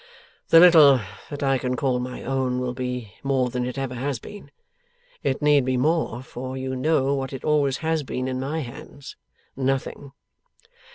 the little that I can call my own will be more than it ever has been. It need be more, for you know what it always has been in my hands. Nothing.